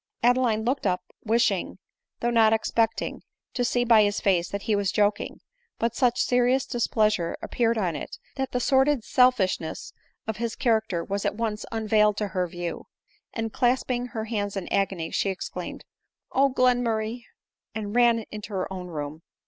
Adeline looked up, wishing, though not expecting, to see by his face that he was joking ; but such serious displeasure appeared on it, that the sordid selfishness of his character was at once unveiled to her view; and clasping her hands in agony, she exclaimed, " Oh, Glen murray !" and ran into her own room.